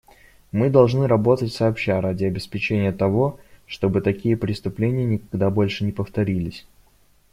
Мы должны работать сообща ради обеспечения того, чтобы такие преступления никогда больше не повторились.